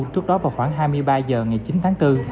trước đó vào khoảng hai mươi ba h ngày chín tháng bốn